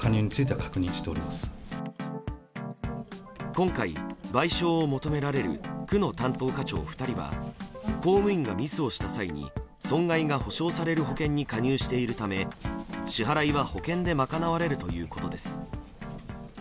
今回、賠償を求められる区の担当課長２人は公務員がミスをした際に損害が補償される保険に加入しているため、支払いは保険で賄われるということです。